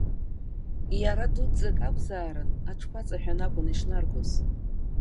Иара дуӡӡак акәзаарын, аҽқәа аҵаҳәан акәын ишнаргоз.